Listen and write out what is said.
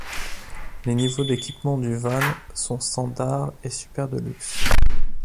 Les niveaux d'équipements du Van sont Standard et Super Deluxe.